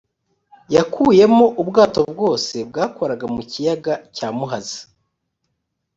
yakuyemo ubwato bwose bwakoraga mu kiyaga cya muhazi